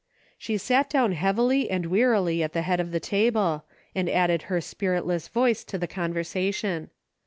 She sat down heavily and wearily at the head of the table, and added her spiritless voice to the conversation.